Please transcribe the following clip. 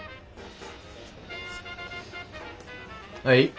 はい。